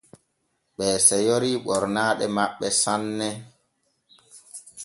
Ɓee seyori ɓornaaɗe maɓɓe sanne.